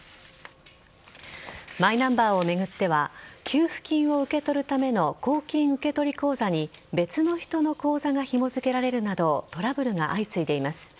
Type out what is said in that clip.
マイナンバーを巡っては給付金を受け取るための公金受取口座に別の人の口座がひも付けられるなどトラブルが相次いでいます。